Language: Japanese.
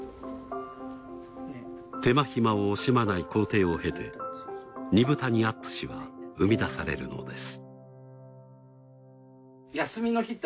手間暇を惜しまない工程を経て二風谷アットゥシは生み出されるのです。